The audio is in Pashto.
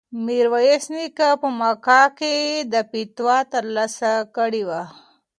میرویس نیکه په مکه کې فتوا ترلاسه کړې وه.